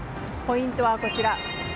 ポイントはこちら。